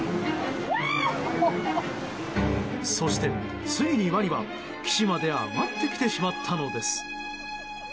そして、ついにワニは岸まで上がってきてしまったのです。